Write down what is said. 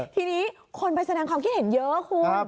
ทีนี้คนไปแสดงความคิดเห็นเยอะคุณ